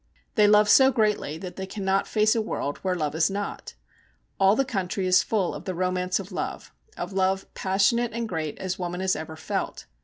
They love so greatly that they cannot face a world where love is not. All the country is full of the romance of love of love passionate and great as woman has ever felt.